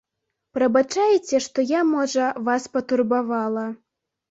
Прабачайце, што я, можа, вас патурбавала.